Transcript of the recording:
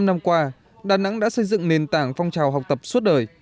năm năm qua đà nẵng đã xây dựng nền tảng phong trào học tập suốt đời